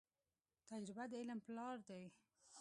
تجربه د علم پلار دی.